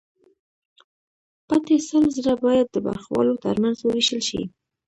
پاتې سل زره باید د برخوالو ترمنځ ووېشل شي